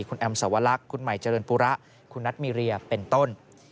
คุณแอมสวรรคคุณใหม่เจริญปุระคุณนัทมีเรียเป็นต้น